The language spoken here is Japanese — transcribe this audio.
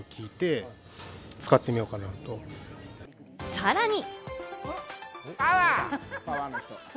さらに。